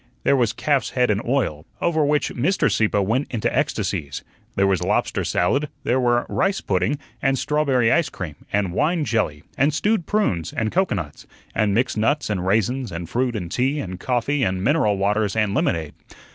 There was calf's head in oil, over which Mr. Sieppe went into ecstasies; there was lobster salad; there were rice pudding, and strawberry ice cream, and wine jelly, and stewed prunes, and cocoanuts, and mixed nuts, and raisins, and fruit, and tea, and coffee, and mineral waters, and lemonade.